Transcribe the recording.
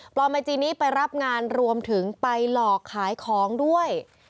ไอจีนี้ไปรับงานรวมถึงไปหลอกขายของด้วย